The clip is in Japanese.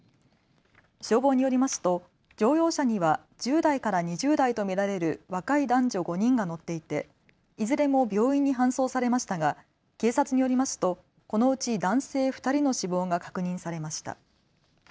消防によりますと乗用車には１０代から２０代と見られる若い男女５人が乗っていていずれも病院に搬送されましたが警察によりますと、このうち男性２人の死亡が確認されました。